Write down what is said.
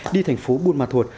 đi thành phố buôn hồ